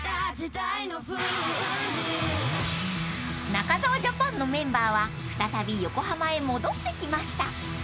［中澤ジャパンのメンバーは再び横浜へ戻ってきました］